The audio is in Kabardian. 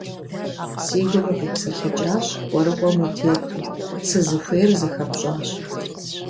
Си гум укъипсэлъыкӀащ кӀуэрыкӀуэм утету, сызыхуейр зыхэпщӀащ.